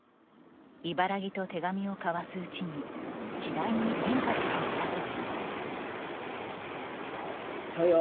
茨木と手紙を交わすうちに次第に変化していったといいます。